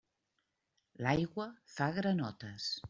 L'aigua fa granotes.